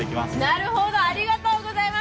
なるほど、ありがとうございます